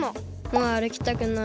もうあるきたくない。